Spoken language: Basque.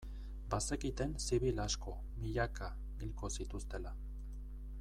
Bazekiten zibil asko, milaka, hilko zituztela.